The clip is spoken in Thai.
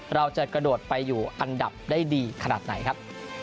เราจะกระโดดไปอยู่อันดับได้ดีขนาดไหนครับ